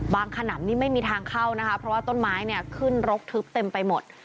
ขนำนี่ไม่มีทางเข้านะคะเพราะว่าต้นไม้เนี่ยขึ้นรกทึบเต็มไปหมด